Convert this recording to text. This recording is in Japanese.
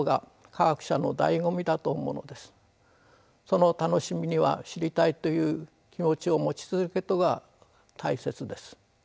その楽しみには知りたいという気持ちを持ち続けることが大切です。